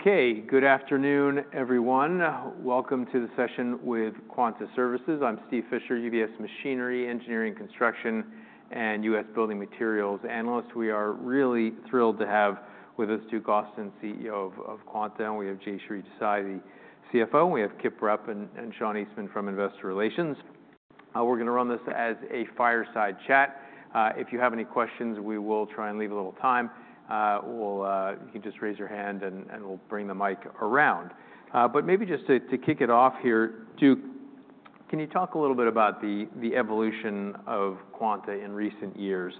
Okay, good afternoon, everyone. Welcome to the session with Quanta Services. I'm Steve Fisher, UBS Machinery Engineering Construction and U.S. Building Materials Analyst. We are really thrilled to have with us Duke Austin, CEO of Quanta. We have Jayshree Desai, the CFO. We have Kip Rupp and Sean Eastman from Investor Relations. We're going to run this as a fireside chat. If you have any questions, we will try and leave a little time. You can just raise your hand and we'll bring the mic around. But maybe just to kick it off here, Duke, can you talk a little bit about the evolution of Quanta in recent years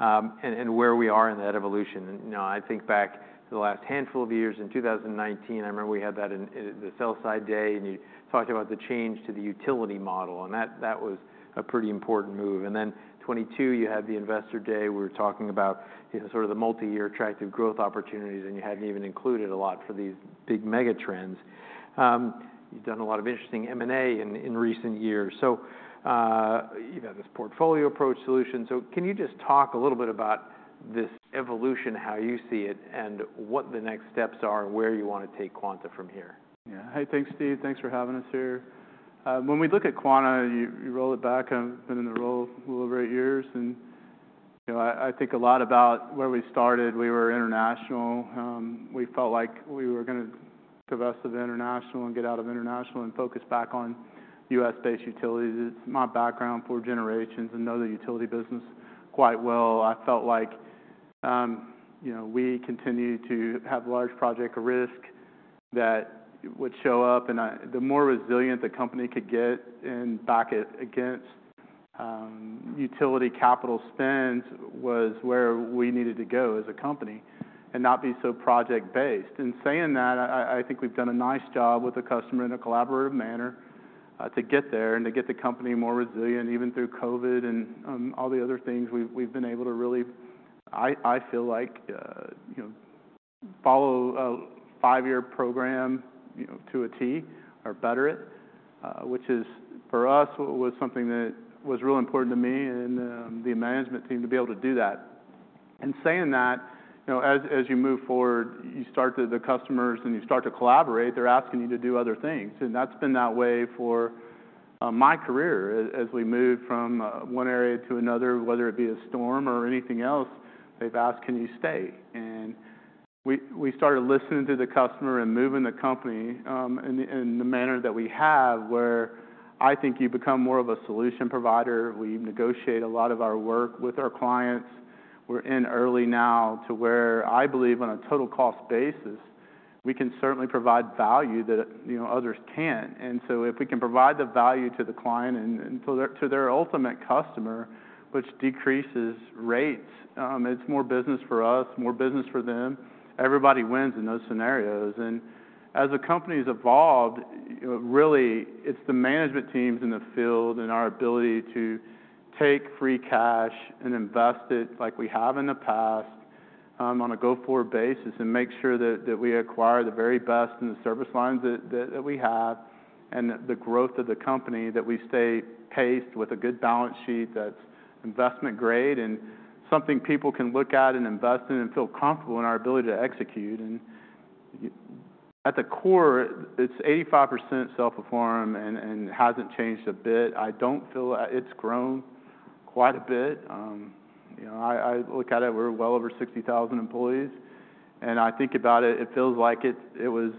and where we are in that evolution? I think back to the last handful of years in 2019, I remember we had that in the Sell-Side Day and you talked about the change to the utility model. And that was a pretty important move. And then 2022, you had the Investor Day. We were talking about sort of the multi-year attractive growth opportunities and you hadn't even included a lot for these big mega trends. You've done a lot of interesting M&A in recent years. So you've had this portfolio approach solution. So can you just talk a little bit about this evolution, how you see it, and what the next steps are and where you want to take Quanta from here? Yeah, hey, thanks, Steve. Thanks for having us here. When we look at Quanta, you roll it back. I've been in the role a little over eight years, and I think a lot about where we started. We were international. We felt like we were going to divest of international and get out of international and focus back on U.S.-based utilities. It's my background for generations and know the utility business quite well. I felt like we continue to have large project risk that would show up, and the more resilient the company could get and back it against utility capital spends was where we needed to go as a company and not be so project-based. Saying that, I think we've done a nice job with the customer in a collaborative manner to get there and to get the company more resilient even through COVID and all the other things we've been able to really, I feel like, follow a five-year program to a T or better it, which is for us was something that was real important to me and the management team to be able to do that. Saying that, as you move forward, you start to talk to the customers and you start to collaborate, they're asking you to do other things. That's been that way for my career as we move from one area to another, whether it be a storm or anything else, they've asked, can you stay? And we started listening to the customer and moving the company in the manner that we have where I think you become more of a solution provider. We negotiate a lot of our work with our clients. We're in early now to where I believe on a total cost basis, we can certainly provide value that others can't. And so if we can provide the value to the client and to their ultimate customer, which decreases rates, it's more business for us, more business for them. Everybody wins in those scenarios. As the company has evolved, really it's the management teams in the field and our ability to take free cash and invest it like we have in the past on a go-forward basis and make sure that we acquire the very best in the service lines that we have and the growth of the company that we stay paced with a good balance sheet that's investment grade and something people can look at and invest in and feel comfortable in our ability to execute. At the core, it's 85% self-perform and hasn't changed a bit. I don't feel. It's grown quite a bit. I look at it, we're well over 60,000 employees. I think about it, it feels like it was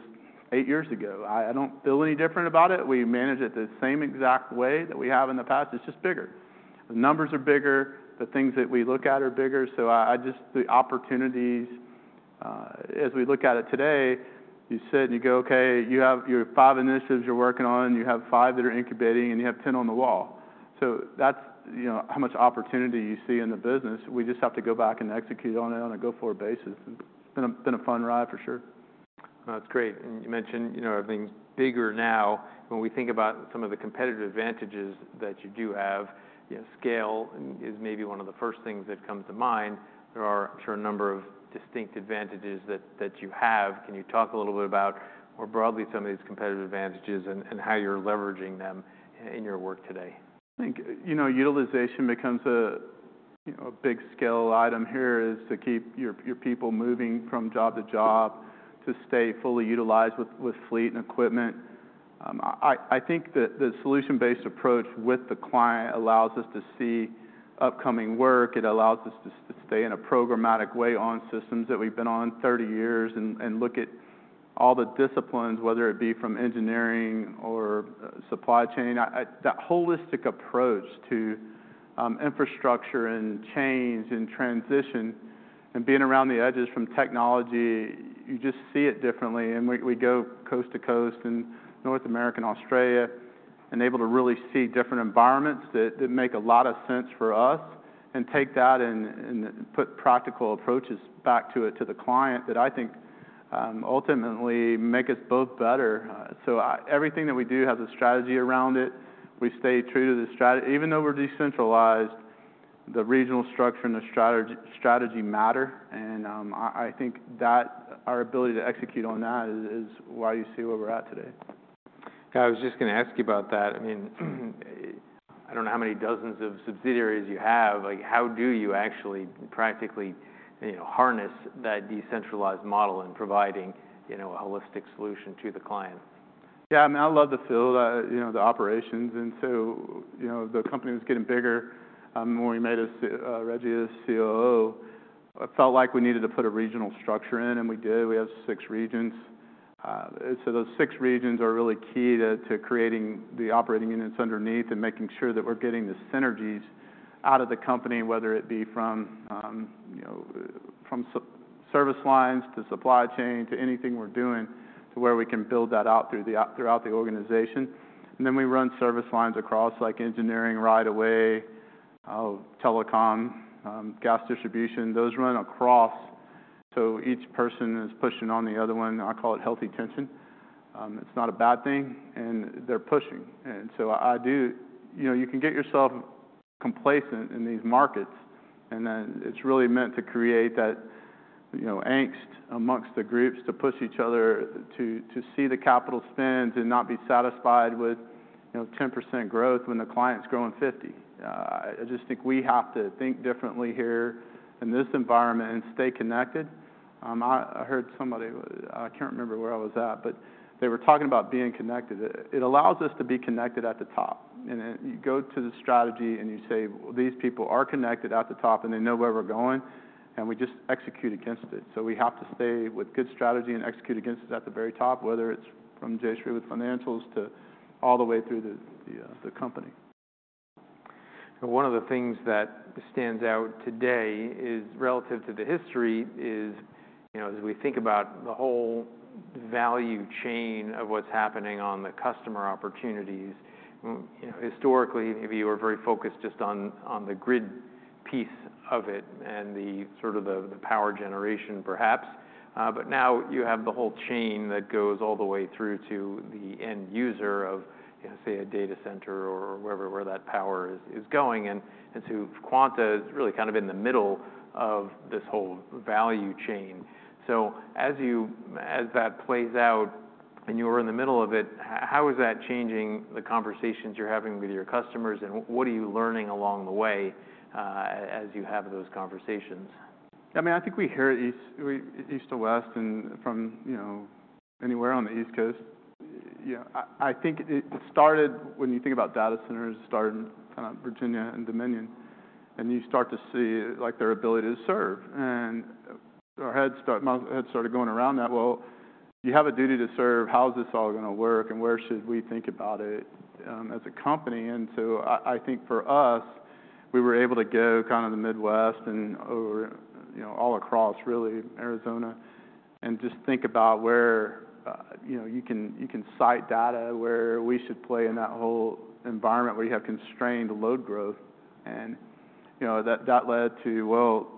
eight years ago. I don't feel any different about it. We manage it the same exact way that we have in the past. It's just bigger. The numbers are bigger. The things that we look at are bigger. So I just the opportunities as we look at it today, you sit and you go, okay, you have your five initiatives you're working on. You have five that are incubating and you have 10 on the wall. So that's how much opportunity you see in the business. We just have to go back and execute on it on a go-forward basis. It's been a fun ride for sure. That's great. And you mentioned everything's bigger now. When we think about some of the competitive advantages that you do have, scale is maybe one of the first things that comes to mind. There are, I'm sure, a number of distinct advantages that you have. Can you talk a little bit about more broadly some of these competitive advantages and how you're leveraging them in your work today? I think utilization becomes a big scale item here, is to keep your people moving from job to job to stay fully utilized with fleet and equipment. I think that the solution-based approach with the client allows us to see upcoming work. It allows us to stay in a programmatic way on systems that we've been on 30 years and look at all the disciplines, whether it be from engineering or supply chain. That holistic approach to infrastructure and chains and transition and being around the edges from technology, you just see it differently, and we go coast to coast in North America and Australia and able to really see different environments that make a lot of sense for us and take that and put practical approaches back to it to the client that I think ultimately make us both better. Everything that we do has a strategy around it. We stay true to the strategy. Even though we're decentralized, the regional structure and the strategy matter. I think that our ability to execute on that is why you see where we're at today. Yeah, I was just going to ask you about that. I mean, I don't know how many dozens of subsidiaries you have. How do you actually practically harness that decentralized model in providing a holistic solution to the client? Yeah, I mean, I love the field, the operations. And so the company was getting bigger. When we made Redgie the COO, it felt like we needed to put a regional structure in and we did. We have six regions. So those six regions are really key to creating the operating units underneath and making sure that we're getting the synergies out of the company, whether it be from service lines to supply chain to anything we're doing to where we can build that out throughout the organization. And then we run service lines across like engineering, right-of-way, telecom, gas distribution. Those run across. So each person is pushing on the other one. I call it healthy tension. It's not a bad thing and they're pushing. And so you can get yourself complacent in these markets. And then it's really meant to create that angst among the groups to push each other to see the capital spends and not be satisfied with 10% growth when the client's growing 50%. I just think we have to think differently here in this environment and stay connected. I heard somebody. I can't remember where I was at, but they were talking about being connected. It allows us to be connected at the top. And you go to the strategy and you say, well, these people are connected at the top and they know where we're going and we just execute against it. So we have to stay with good strategy and execute against it at the very top, whether it's from Jayshree with financials to all the way through the company. One of the things that stands out today is relative to the history is as we think about the whole value chain of what's happening on the customer opportunities. Historically, maybe you were very focused just on the grid piece of it and the sort of the power generation perhaps. But now you have the whole chain that goes all the way through to the end user of, say, a data center or wherever that power is going. And so Quanta is really kind of in the middle of this whole value chain. So as that plays out and you were in the middle of it, how is that changing the conversations you're having with your customers and what are you learning along the way as you have those conversations? I mean, I think we hear east to west and from anywhere on the East Coast. I think it started, when you think about data centers, it started in Virginia and Dominion. And you start to see their ability to serve. And our heads started going around that. Well, you have a duty to serve. How is this all going to work and where should we think about it as a company? And so I think for us, we were able to go kind of the Midwest and all across really Arizona and just think about where you can site data, where we should play in that whole environment where you have constrained load growth. And that led to, well,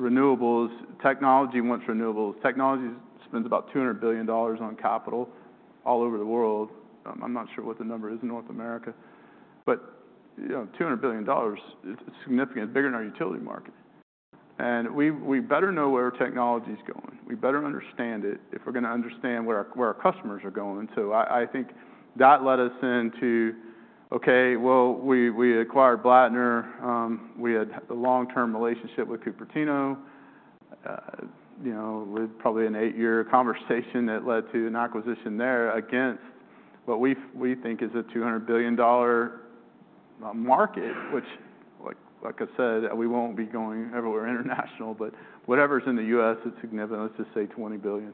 renewables, technology wants renewables. Technology spends about $200 billion on capital all over the world. I'm not sure what the number is in North America. $200 billion is significant, bigger than our utility market. We better know where technology is going. We better understand it if we're going to understand where our customers are going. I think that led us into okay, well, we acquired Blattner. We had a long-term relationship with Cupertino with probably an eight-year conversation that led to an acquisition there against what we think is a $200 billion market, which like I said, we won't be going everywhere international, but whatever's in the U.S., it's significant. Let's just say $20 billion.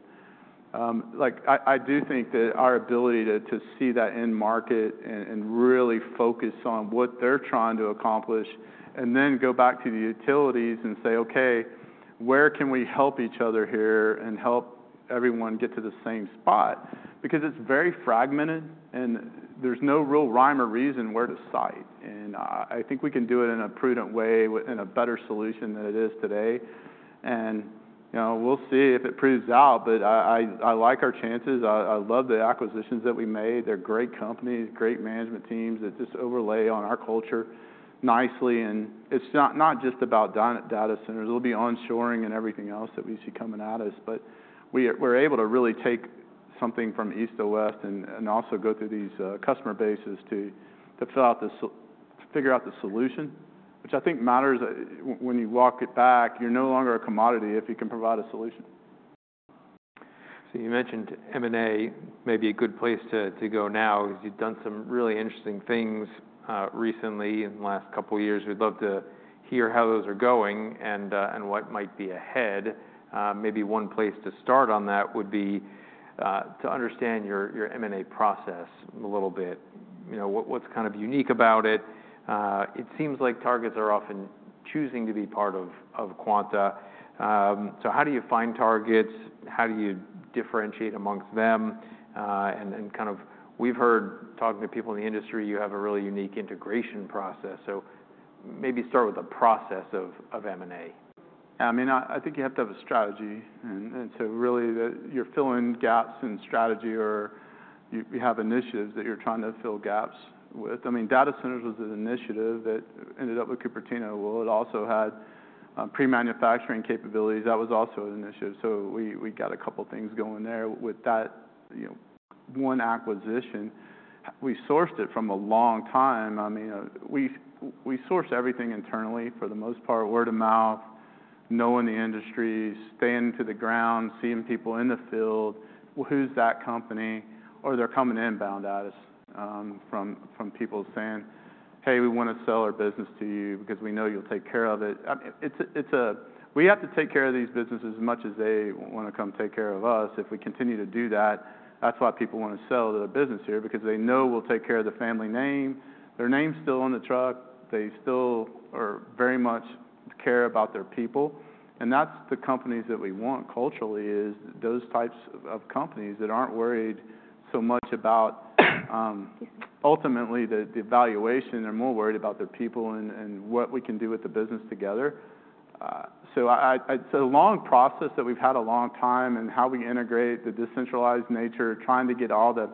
I do think that our ability to see that end market and really focus on what they're trying to accomplish and then go back to the utilities and say, okay, where can we help each other here and help everyone get to the same spot? Because it's very fragmented and there's no real rhyme or reason where to site. And I think we can do it in a prudent way with a better solution than it is today. And we'll see if it proves out, but I like our chances. I love the acquisitions that we made. They're great companies, great management teams that just overlay on our culture nicely. And it's not just about data centers. It'll be onshoring and everything else that we see coming at us. But we're able to really take something from east to west and also go through these customer bases to figure out the solution, which I think matters when you walk it back. You're no longer a commodity if you can provide a solution. So you mentioned M&A may be a good place to go now because you've done some really interesting things recently in the last couple of years. We'd love to hear how those are going and what might be ahead. Maybe one place to start on that would be to understand your M&A process a little bit. What's kind of unique about it? It seems like targets are often choosing to be part of Quanta. So how do you find targets? How do you differentiate among them? And kind of we've heard talking to people in the industry, you have a really unique integration process. So maybe start with the process of M&A. Yeah, I mean, I think you have to have a strategy, and so really you're filling gaps in strategy or you have initiatives that you're trying to fill gaps with. I mean, data centers was an initiative that ended up with Cupertino, well, it also had pre-manufacturing capabilities. That was also an initiative, so we got a couple of things going there with that one acquisition. We sourced it for a long time. I mean, we sourced everything internally for the most part, word of mouth, knowing the industry, staying close to the ground, seeing people in the field, well, who's that company? Or they're coming inbound at us from people saying, hey, we want to sell our business to you because we know you'll take care of it. We have to take care of these businesses as much as they want to come take care of us. If we continue to do that, that's why people want to sell their business here because they know we'll take care of the family name. Their name's still on the truck. They still very much care about their people. And that's the companies that we want culturally is those types of companies that aren't worried so much about ultimately the valuation. They're more worried about their people and what we can do with the business together. So it's a long process that we've had a long time and how we integrate the decentralized nature, trying to get all the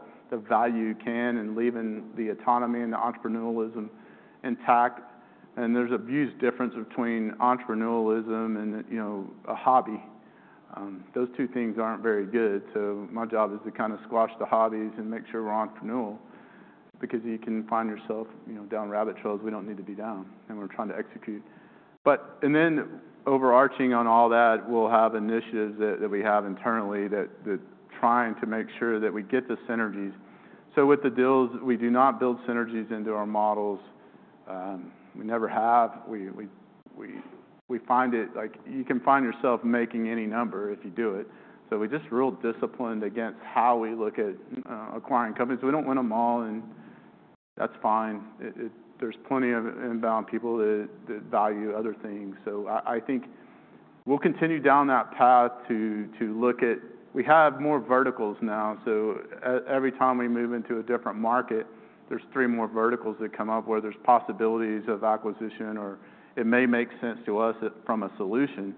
value you can and leaving the autonomy and the entrepreneurialism intact. And there's a huge difference between entrepreneurialism and a hobby. Those two things aren't very good. So my job is to kind of squash the hobbies and make sure we're entrepreneurial because you can find yourself down rabbit trails. We don't need to be down and we're trying to execute. But then overarching on all that, we'll have initiatives that we have internally that trying to make sure that we get the synergies. So with the deals, we do not build synergies into our models. We never have. We find it like you can find yourself making any number if you do it. So we're just real disciplined against how we look at acquiring companies. We don't win them all and that's fine. There's plenty of inbound people that value other things. So I think we'll continue down that path to look at we have more verticals now. So every time we move into a different market, there's three more verticals that come up where there's possibilities of acquisition or it may make sense to us from a solution.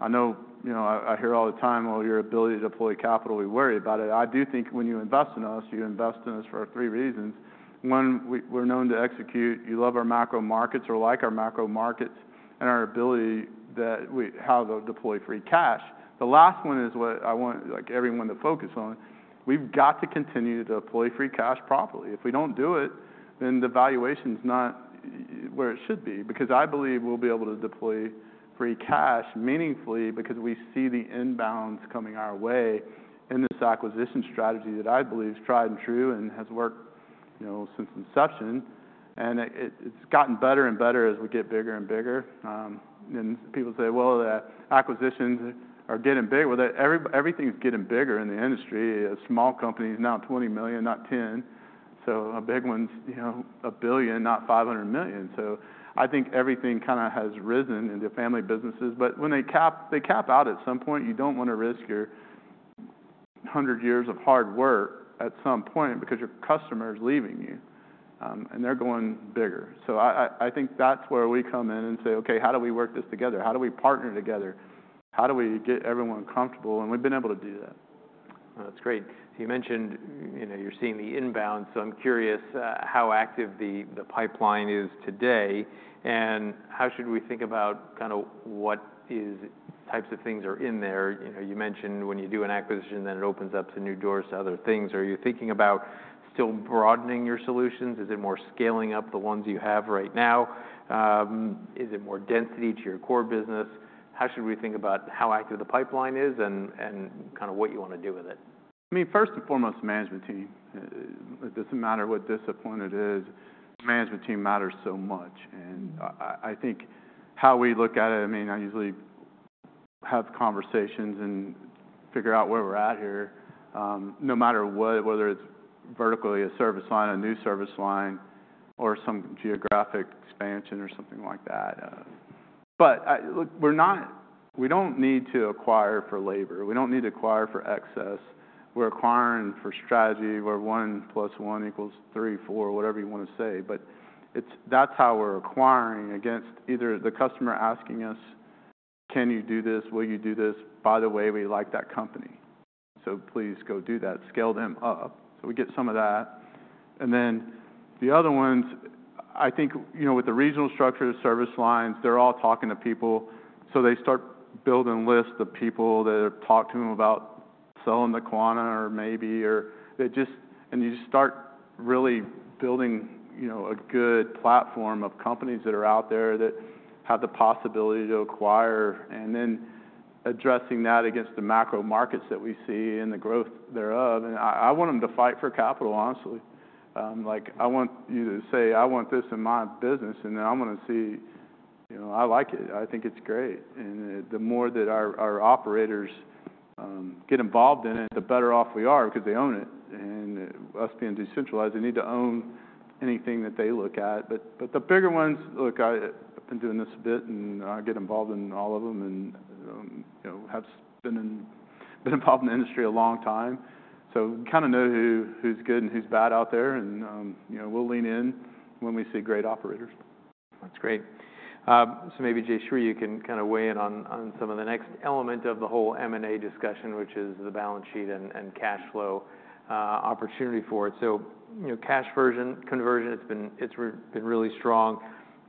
I know I hear all the time, well, your ability to deploy capital, we worry about it. I do think when you invest in us, you invest in us for three reasons. One, we're known to execute. You love our macro markets or like our macro markets and our ability that we have to deploy free cash. The last one is what I want everyone to focus on. We've got to continue to deploy free cash properly. If we don't do it, then the valuation is not where it should be because I believe we'll be able to deploy free cash meaningfully because we see the inbounds coming our way in this acquisition strategy that I believe is tried and true and has worked since inception. And it's gotten better and better as we get bigger and bigger. And people say, well, the acquisitions are getting big. Everything's getting bigger in the industry. A small company is now $20 million, not $10 million. So a big one's $1 billion, not $500 million. So I think everything kind of has risen into family businesses. But when they cap out at some point, you don't want to risk your 100 years of hard work at some point because your customer is leaving you and they're going bigger. So I think that's where we come in and say, okay, how do we work this together? How do we partner together? How do we get everyone comfortable? And we've been able to do that. That's great. So you mentioned you're seeing the inbound. So I'm curious how active the pipeline is today and how should we think about kind of what types of things are in there? You mentioned when you do an acquisition, then it opens up to new doors to other things. Are you thinking about still broadening your solutions? Is it more scaling up the ones you have right now? Is it more density to your core business? How should we think about how active the pipeline is and kind of what you want to do with it? I mean, first and foremost, the management team. It doesn't matter what discipline it is. The management team matters so much. And I think how we look at it, I mean, I usually have conversations and figure out where we're at here no matter what, whether it's vertically a service line, a new service line, or some geographic expansion or something like that. But we don't need to acquire for labor. We don't need to acquire for excess. We're acquiring for strategy. We're one plus one equals three, four, whatever you want to say. But that's how we're acquiring against either the customer asking us, can you do this? Will you do this? By the way, we like that company. So please go do that. Scale them up. So we get some of that. And then the other ones, I think with the regional structure of service lines, they're all talking to people. So they start building lists of people that have talked to them about selling to Quanta or maybe, and you just start really building a good platform of companies that are out there that have the possibility to acquire and then addressing that against the macro markets that we see and the growth thereof. And I want them to fight for capital, honestly. I want you to say, "I want this in my business," and then I'm going to see. I like it. I think it's great. And the more that our operators get involved in it, the better off we are because they own it. And us being decentralized, they need to own anything that they look at. But the bigger ones, look. I've been doing this a bit and I get involved in all of them and have been involved in the industry a long time. So we kind of know who's good and who's bad out there, and we'll lean in when we see great operators. That's great. So maybe Jayshree, you can kind of weigh in on some of the next element of the whole M&A discussion, which is the balance sheet and cash flow opportunity for it. So cash conversion, it's been really strong.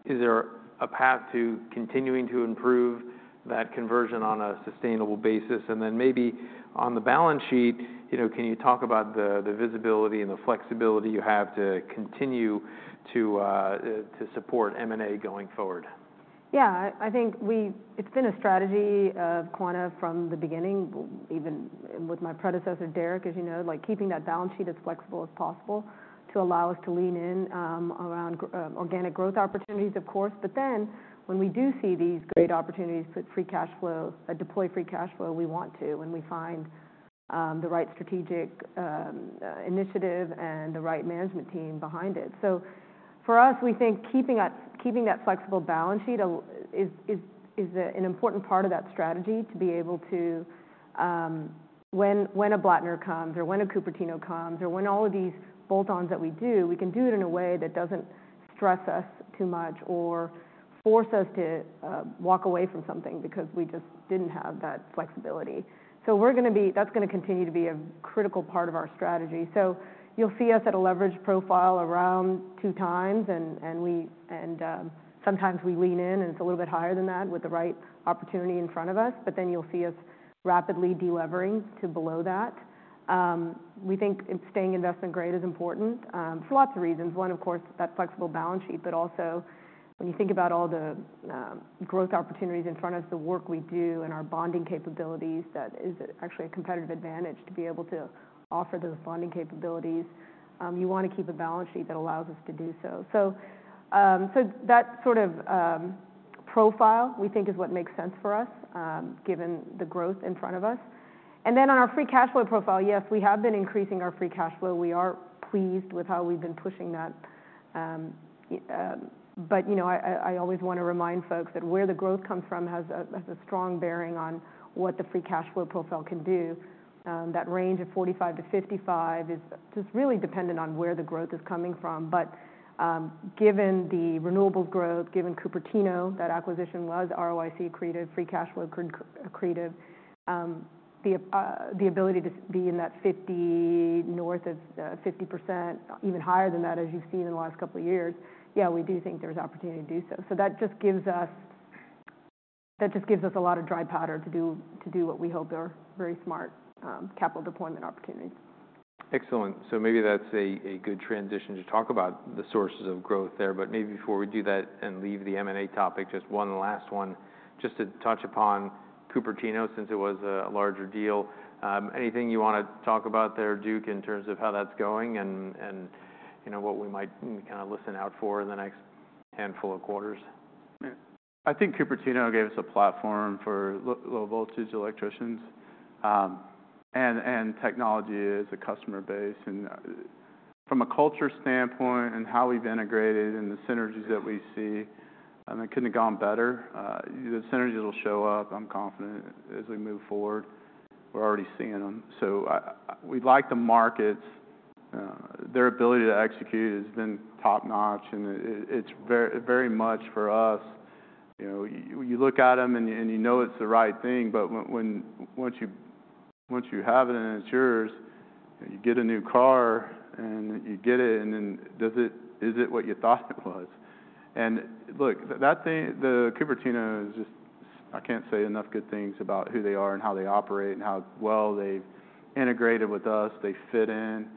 Is there a path to continuing to improve that conversion on a sustainable basis? And then maybe on the balance sheet, can you talk about the visibility and the flexibility you have to continue to support M&A going forward? Yeah, I think it's been a strategy of Quanta from the beginning, even with my predecessor, Derrick, as you know, keeping that balance sheet as flexible as possible to allow us to lean in around organic growth opportunities, of course. But then when we do see these great opportunities to deploy free cash flow, we want to when we find the right strategic initiative and the right management team behind it. So for us, we think keeping that flexible balance sheet is an important part of that strategy to be able to when a Blattner comes or when a Cupertino comes or when all of these bolt-ons that we do, we can do it in a way that doesn't stress us too much or force us to walk away from something because we just didn't have that flexibility. So that's going to continue to be a critical part of our strategy. So you'll see us at a leveraged profile around two times, and sometimes we lean in and it's a little bit higher than that with the right opportunity in front of us. But then you'll see us rapidly delivering to below that. We think staying investment grade is important for lots of reasons. One, of course, that flexible balance sheet, but also when you think about all the growth opportunities in front of us, the work we do and our bonding capabilities, that is actually a competitive advantage to be able to offer those bonding capabilities. You want to keep a balance sheet that allows us to do so. So that sort of profile, we think, is what makes sense for us given the growth in front of us. On our free cash flow profile, yes, we have been increasing our free cash flow. We are pleased with how we've been pushing that. I always want to remind folks that where the growth comes from has a strong bearing on what the free cash flow profile can do. That range of 45%-55% is just really dependent on where the growth is coming from. Given the renewables growth, given Cupertino, that acquisition was ROIC accretive, free cash flow accretive, the ability to be in that 50% north of 50%, even higher than that, as you've seen in the last couple of years, yeah, we do think there's opportunity to do so. That just gives us a lot of dry powder to do what we hope are very smart capital deployment opportunities. Excellent. So maybe that's a good transition to talk about the sources of growth there. But maybe before we do that and leave the M&A topic, just one last one, just to touch upon Cupertino since it was a larger deal. Anything you want to talk about there, Duke, in terms of how that's going and what we might kind of listen out for in the next handful of quarters? I think Cupertino gave us a platform for low voltage electricians and technology as a customer base. And from a culture standpoint and how we've integrated and the synergies that we see, I mean, it couldn't have gone better. The synergies will show up, I'm confident, as we move forward. We're already seeing them. So we like the markets. Their ability to execute has been top-notch. And it's very much for us. You look at them and you know it's the right thing. But once you have it and it's yours, you get a new car and you get it, and then is it what you thought it was? And look, the Cupertino is just, I can't say enough good things about who they are and how they operate and how well they've integrated with us. They fit in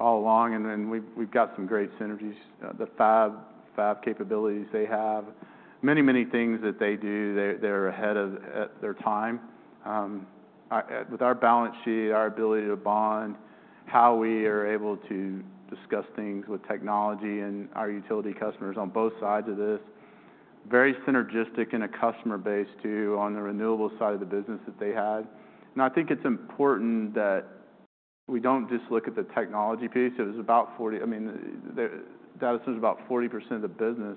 all along. And then we've got some great synergies, the fab capabilities they have, many, many things that they do. They're ahead of their time. With our balance sheet, our ability to bond, how we are able to discuss things with technology and our utility customers on both sides of this, very synergistic in a customer base too on the renewables side of the business that they had. And I think it's important that we don't just look at the technology piece. I mean, transmission is about 40% of the business.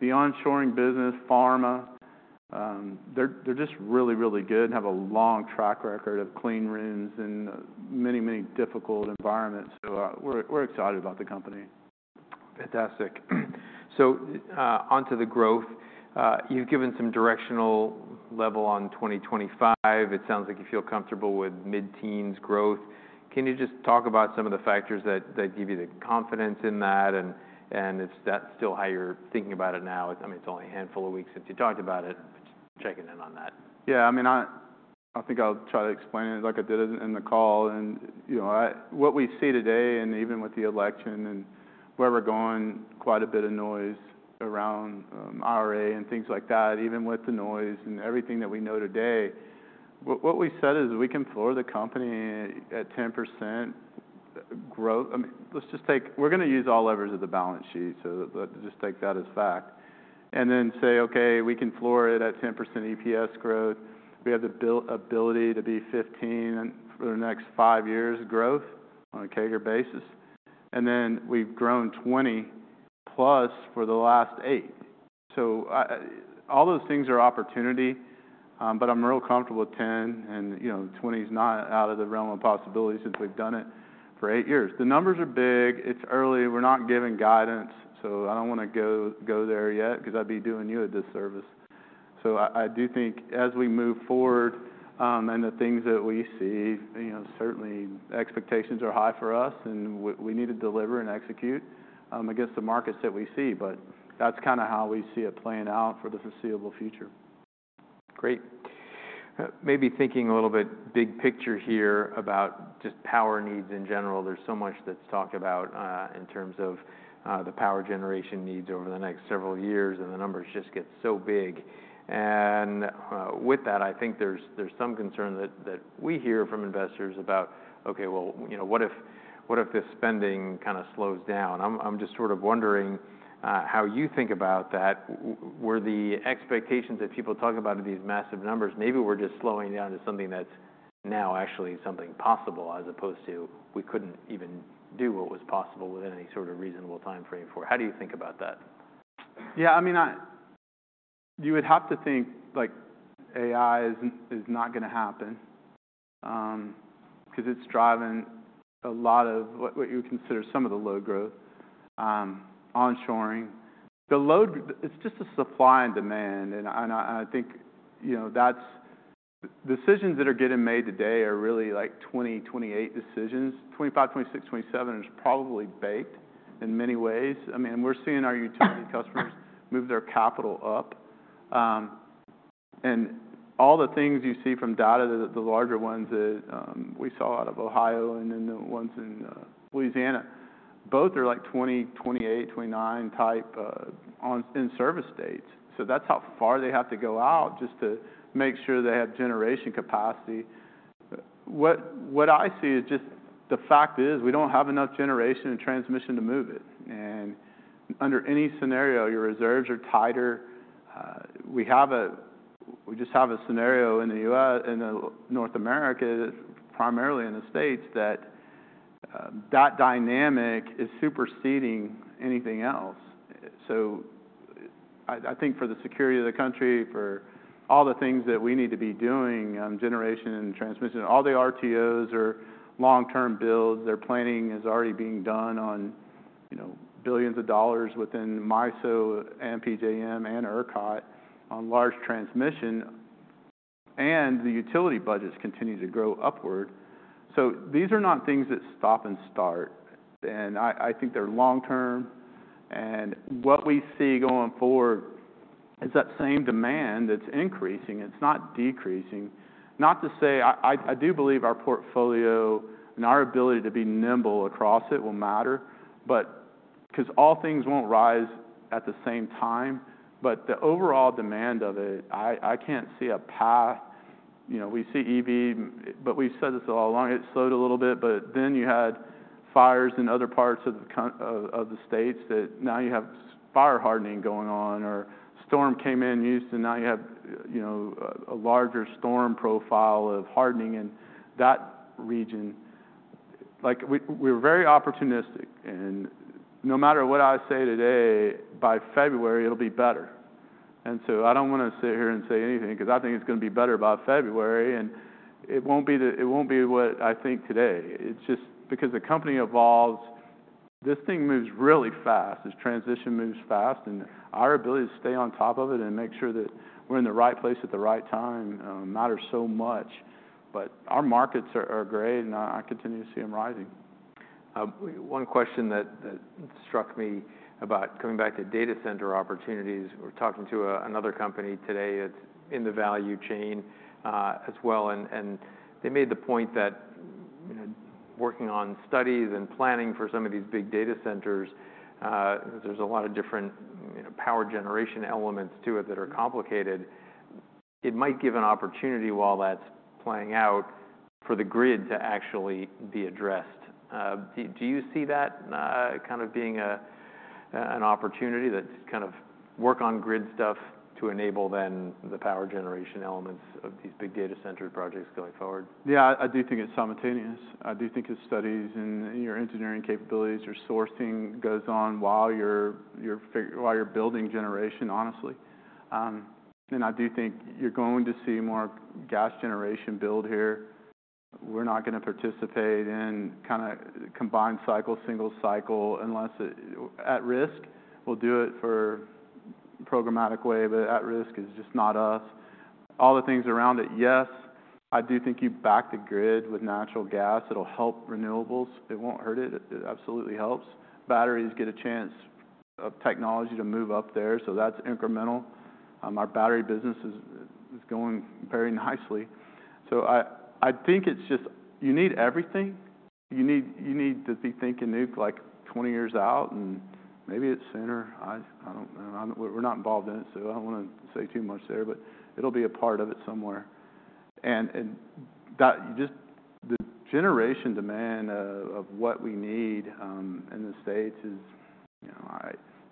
The onshoring business, pharma, they're just really, really good and have a long track record of clean rooms and many, many difficult environments. So we're excited about the company. Fantastic. So onto the growth. You've given some directional level on 2025. It sounds like you feel comfortable with mid-teens growth. Can you just talk about some of the factors that give you the confidence in that? And is that still how you're thinking about it now? I mean, it's only a handful of weeks since you talked about it. Checking in on that. Yeah. I mean, I think I'll try to explain it like I did in the call. And what we see today and even with the election and where we're going, quite a bit of noise around IRA and things like that, even with the noise and everything that we know today. What we said is we can floor the company at 10% growth. I mean, let's just take, we're going to use all levers of the balance sheet. So let's just take that as fact. And then say, okay, we can floor it at 10% EPS growth. We have the ability to be 15% for the next five years growth on a CAGR basis. And then we've grown 20%+ for the last eight. So all those things are opportunity, but I'm real comfortable with 10. And 20 is not out of the realm of possibility since we've done it for eight years. The numbers are big. It's early. We're not giving guidance. So I don't want to go there yet because I'd be doing you a disservice. So I do think as we move forward and the things that we see, certainly expectations are high for us and we need to deliver and execute against the markets that we see. But that's kind of how we see it playing out for the foreseeable future. Great. Maybe, thinking a little bit big picture here about just power needs in general. There's so much that's talked about in terms of the power generation needs over the next several years and the numbers just get so big, and with that, I think there's some concern that we hear from investors about, okay, well, what if this spending kind of slows down? I'm just sort of wondering how you think about that. Were the expectations that people talk about of these massive numbers, maybe we're just slowing down to something that's now actually something possible as opposed to we couldn't even do what was possible within any sort of reasonable timeframe for it? How do you think about that? Yeah. I mean, you would have to think AI is not going to happen because it's driving a lot of what you would consider some of the low growth, onshoring. It's just a supply and demand. And I think decisions that are getting made today are really like 2028 decisions. 2025, 2026, 2027 is probably baked in many ways. I mean, we're seeing our utility customers move their capital up. And all the things you see from data, the larger ones that we saw out of Ohio and then the ones in Louisiana, both are like 2028, 2029 type in service states. So that's how far they have to go out just to make sure they have generation capacity. What I see is just the fact is we don't have enough generation and transmission to move it. And under any scenario, your reserves are tighter. We just have a scenario in the U.S. and North America, primarily in the States, that dynamic is superseding anything else. So I think for the security of the country, for all the things that we need to be doing, generation and transmission, all the RTOs are long-term builds. Their planning is already being done on billions of dollars within MISO, PJM, and ERCOT on large transmission. And the utility budgets continue to grow upward. So these are not things that stop and start. And I think they're long-term. And what we see going forward is that same demand that's increasing. It's not decreasing. Not to say I do believe our portfolio and our ability to be nimble across it will matter, because all things won't rise at the same time. But the overall demand of it, I can't see a path. We see EV, but we've said this all along. It slowed a little bit, but then you had fires in other parts of the States that now you have fire hardening going on or storm came in Houston. Now you have a larger storm profile of hardening in that region. We were very opportunistic, and no matter what I say today, by February, it'll be better, and so I don't want to sit here and say anything because I think it's going to be better by February, and it won't be what I think today. It's just because the company evolves. This thing moves really fast. This transition moves fast, and our ability to stay on top of it and make sure that we're in the right place at the right time matters so much, but our markets are great and I continue to see them rising. One question that struck me about coming back to data center opportunities. We're talking to another company today that's in the value chain as well. And they made the point that working on studies and planning for some of these big data centers, there's a lot of different power generation elements to it that are complicated. It might give an opportunity while that's playing out for the grid to actually be addressed. Do you see that kind of being an opportunity that's kind of work on grid stuff to enable then the power generation elements of these big data center projects going forward? Yeah, I do think it's simultaneous. I do think it's studies and your engineering capabilities or sourcing goes on while you're building generation, honestly. And I do think you're going to see more gas generation build here. We're not going to participate in kind of combined cycle, simple cycle unless at risk. We'll do it for a programmatic way, but at risk is just not us. All the things around it, yes. I do think you back the grid with natural gas. It'll help renewables. It won't hurt it. It absolutely helps. Batteries get a chance of technology to move up there. So that's incremental. Our battery business is going very nicely. So I think it's just you need everything. You need to be thinking nuke like 20 years out and maybe it's sooner. I don't know. We're not involved in it, so I don't want to say too much there, but it'll be a part of it somewhere. Just the generation demand of what we need in the States is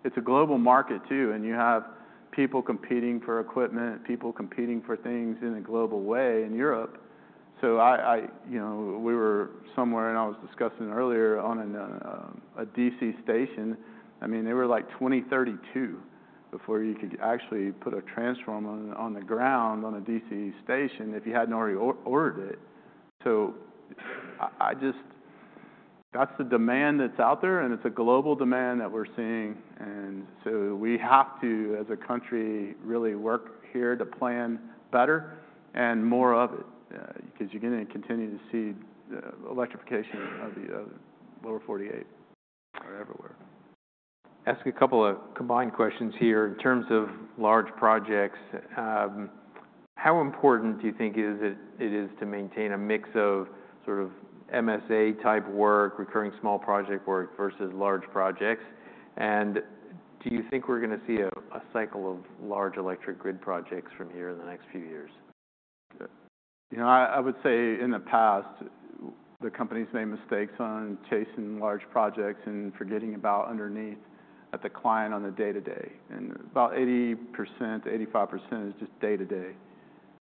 it's a global market too. You have people competing for equipment, people competing for things in a global way in Europe. We were somewhere and I was discussing earlier on a DC station. I mean, they were like 2032 before you could actually put a transformer on the ground on a DC station if you hadn't already ordered it. That's the demand that's out there and it's a global demand that we're seeing. We have to, as a country, really work here to plan better and more of it because you're going to continue to see electrification of the Lower 48 or everywhere. Ask a couple of combined questions here in terms of large projects. How important do you think it is to maintain a mix of sort of MSA type work, recurring small project work versus large projects? And do you think we're going to see a cycle of large electric grid projects from here in the next few years? I would say in the past, the companies made mistakes on chasing large projects and forgetting about underneath at the client on the day-to-day. And about 80%-85% is just day-to-day.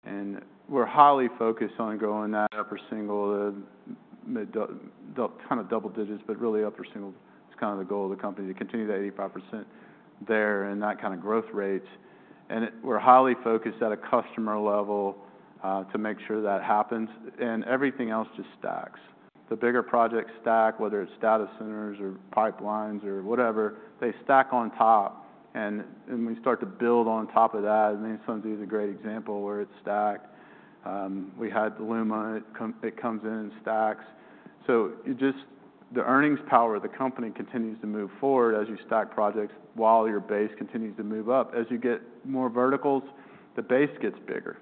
And we're highly focused on going that upper single, kind of double digits, but really upper single. It's kind of the goal of the company to continue that 85% there and that kind of growth rates. And we're highly focused at a customer level to make sure that happens. And everything else just stacks. The bigger projects stack, whether it's data centers or pipelines or whatever, they stack on top. And when you start to build on top of that, I mean, SunZia is a great example where it's stacked. We had the LUMA. It comes in and stacks. Just the earnings power, the company continues to move forward as you stack projects while your base continues to move up. As you get more verticals, the base gets bigger.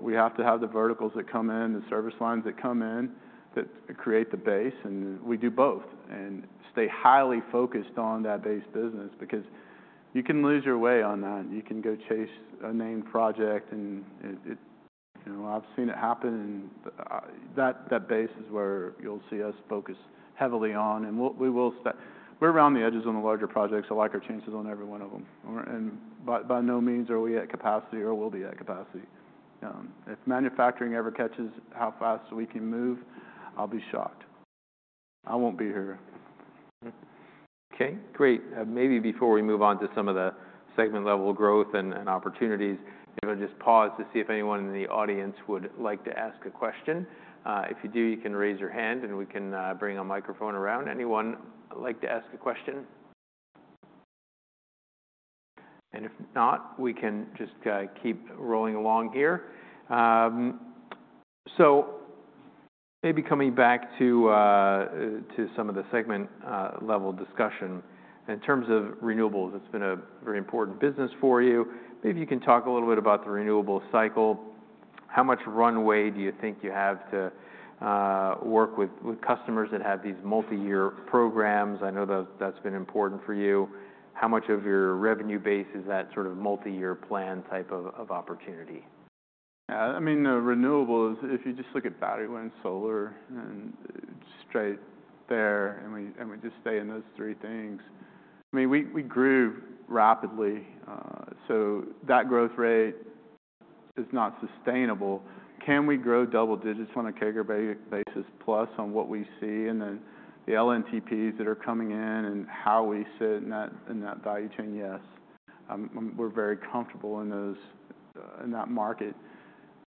We have to have the verticals that come in, the service lines that come in that create the base. We do both and stay highly focused on that base business because you can lose your way on that. You can go chase a named project and I've seen it happen. That base is where you'll see us focus heavily on. We will stack. We're around the edges on the larger projects. I like our chances on every one of them. By no means are we at capacity or will be at capacity. If manufacturing ever catches how fast we can move, I'll be shocked. I won't be here. Okay. Great. Maybe before we move on to some of the segment-level growth and opportunities, maybe I'll just pause to see if anyone in the audience would like to ask a question. If you do, you can raise your hand and we can bring a microphone around. Anyone like to ask a question? And if not, we can just keep rolling along here. So maybe coming back to some of the segment-level discussion. In terms of renewables, it's been a very important business for you. Maybe you can talk a little bit about the renewable cycle. How much runway do you think you have to work with customers that have these multi-year programs? I know that's been important for you. How much of your revenue base is that sort of multi-year plan type of opportunity? Yeah. I mean, renewables, if you just look at battery, wind, solar, and storage there, and we just stay in those three things. I mean, we grew rapidly. So that growth rate is not sustainable. Can we grow double digits on a CAGR basis plus on what we see and then the LNTPs that are coming in and how we sit in that value chain, yes. We're very comfortable in that market.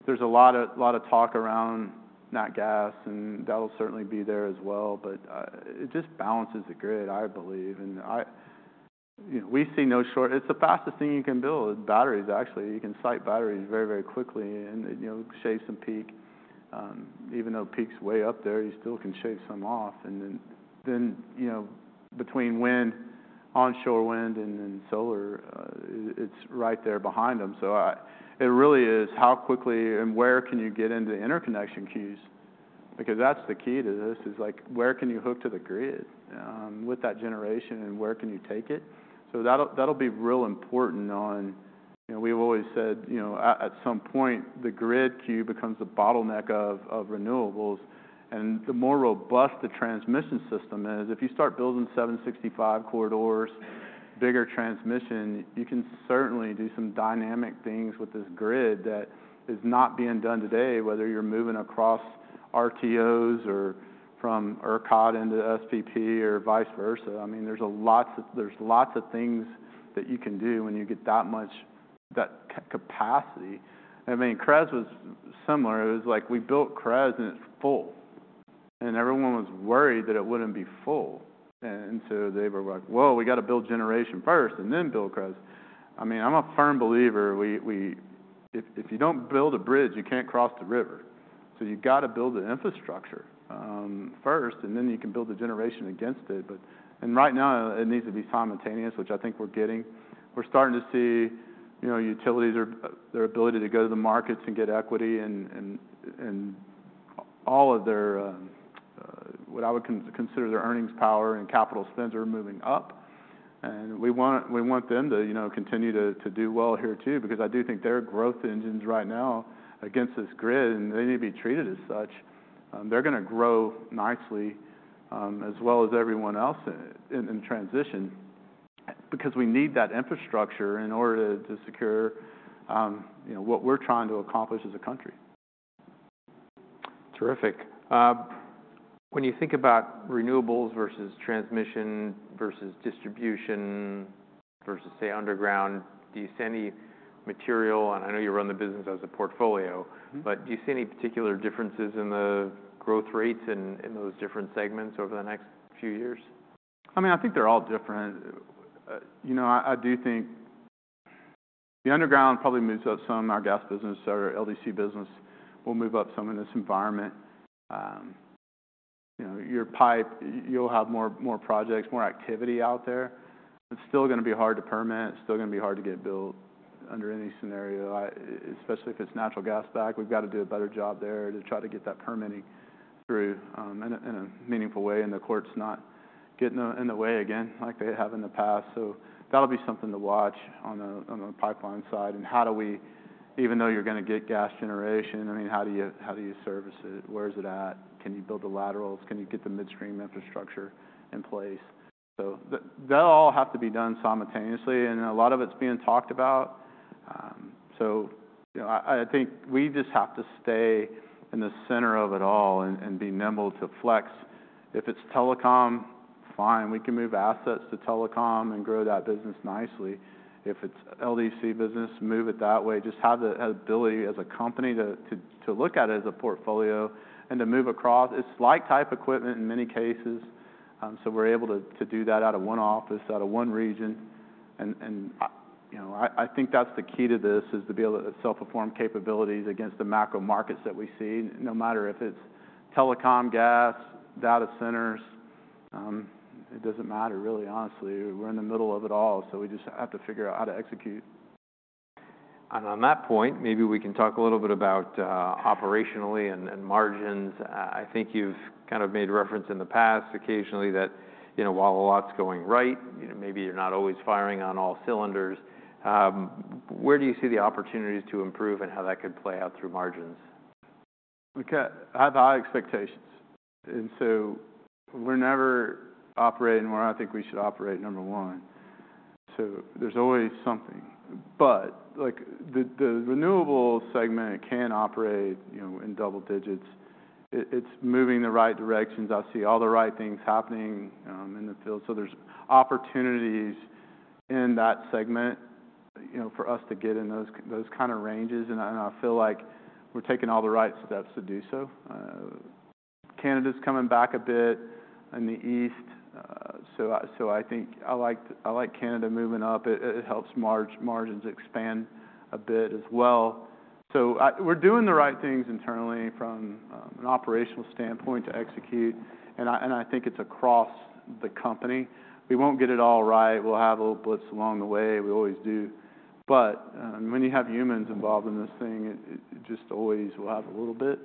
There's a lot of talk around that gas and that'll certainly be there as well. But it just balances the grid, I believe. And we see no shortage. It's the fastest thing you can build with batteries, actually. You can site batteries very, very quickly and shave some peak. Even though peak's way up there, you still can shave some off. And then between wind, onshore wind, and then solar, it's right there behind them. So it really is how quickly and where can you get into interconnection queues? Because that's the key to this is like where can you hook to the grid with that generation and where can you take it? So that'll be real important on. We've always said at some point the grid queue becomes the bottleneck of renewables. And the more robust the transmission system is, if you start building 765 corridors, bigger transmission, you can certainly do some dynamic things with this grid that is not being done today, whether you're moving across RTOs or from ERCOT into SPP or vice versa. I mean, there's lots of things that you can do when you get that much capacity. I mean, CREZ was similar. It was like we built CREZ and it's full. And everyone was worried that it wouldn't be full. And so they were like, "Whoa, we got to build generation first and then build CREZ." I mean, I'm a firm believer if you don't build a bridge, you can't cross the river. So you got to build the infrastructure first and then you can build the generation against it. And right now it needs to be simultaneous, which I think we're getting. We're starting to see utilities, their ability to go to the markets and get equity and all of their what I would consider their earnings power and capital spends are moving up. And we want them to continue to do well here too because I do think they're growth engines right now against this grid and they need to be treated as such. They're going to grow nicely as well as everyone else in transition because we need that infrastructure in order to secure what we're trying to accomplish as a country. Terrific. When you think about renewables versus transmission versus distribution versus say underground, do you see any material? And I know you run the business as a portfolio, but do you see any particular differences in the growth rates in those different segments over the next few years? I mean, I think they're all different. I do think the underground probably moves up some. Our gas business or LDC business will move up some in this environment. Your pipe, you'll have more projects, more activity out there. It's still going to be hard to permit. It's still going to be hard to get built under any scenario, especially if it's natural gas back. We've got to do a better job there to try to get that permitting through in a meaningful way and the courts not getting in the way again like they have in the past. So that'll be something to watch on the pipeline side. And how do we, even though you're going to get gas generation, I mean, how do you service it? Where's it at? Can you build the laterals? Can you get the midstream infrastructure in place? So that'll all have to be done simultaneously, and a lot of it's being talked about, so I think we just have to stay in the center of it all and be nimble to flex. If it's telecom, fine, we can move assets to telecom and grow that business nicely. If it's LDC business, move it that way. Just have the ability as a company to look at it as a portfolio and to move across. It's light type equipment in many cases, so we're able to do that out of one office, out of one region, and I think that's the key to this is to be able to self-perform capabilities against the macro markets that we see, no matter if it's telecom, gas, data centers. It doesn't matter really, honestly. We're in the middle of it all, so we just have to figure out how to execute. And on that point, maybe we can talk a little bit about operationally and margins. I think you've kind of made reference in the past occasionally that while a lot's going right, maybe you're not always firing on all cylinders. Where do you see the opportunities to improve and how that could play out through margins? We have high expectations, and so we're never operating where I think we should operate, number one, so there's always something, but the renewable segment can operate in double digits. It's moving the right directions. I see all the right things happening in the field, so there's opportunities in that segment for us to get in those kind of ranges, and I feel like we're taking all the right steps to do so. Canada's coming back a bit in the east, so I think I like Canada moving up. It helps margins expand a bit as well, so we're doing the right things internally from an operational standpoint to execute, and I think it's across the company. We won't get it all right. We'll have little blips along the way. We always do, but when you have humans involved in this thing, it just always will have a little bit.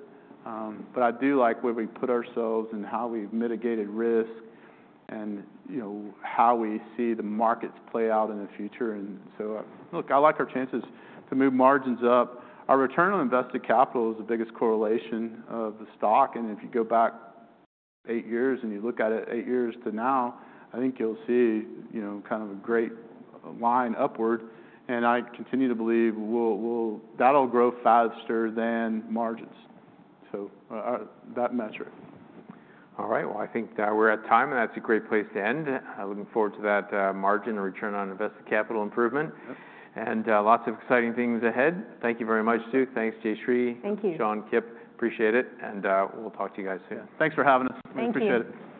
But I do like where we put ourselves and how we've mitigated risk and how we see the markets play out in the future. And so look, I like our chances to move margins up. Our return on invested capital is the biggest correlation of the stock. And if you go back eight years and you look at it eight years to now, I think you'll see kind of a great line upward. And I continue to believe that'll grow faster than margins. So that metric. All right. Well, I think we're at time. And that's a great place to end. Looking forward to that margin return on invested capital improvement. And lots of exciting things ahead. Thank you very much, Duke. Thanks, Jayshree. Thank you. Sean, Kip, appreciate it, and we'll talk to you guys soon. Thanks for having us. Thank you. Appreciate it.